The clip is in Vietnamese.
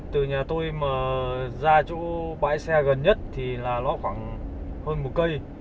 từ nhà tôi mà ra chỗ bãi xe gần nhất thì là nó khoảng hơn một cây